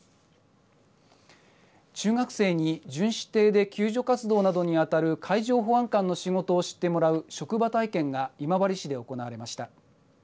中学生に巡視艇で救助活動などにあたる海上保安官の仕事を知ってもらう職場体験が今治市で行われました。